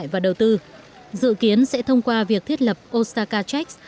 và đầu tư dự kiến sẽ thông qua việc thiết lập ostaka checks